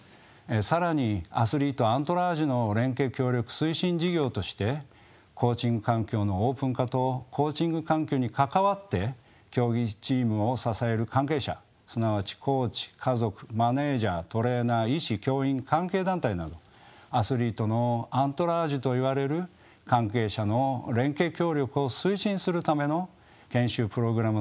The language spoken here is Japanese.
更に「アスリート・アントラージュの連携協力推進事業」としてコーチング環境のオープン化とコーチング環境に関わって競技・チームを支える関係者すなわちコーチ家族マネージャートレーナー医師教員関係団体などアスリートのアントラージュといわれる関係者の連携協力を推進するための研修プログラムなどが出来ました。